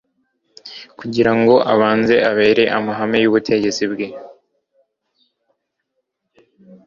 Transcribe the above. kugira ngo abanze arebe amahame y'ubutegetsi bwe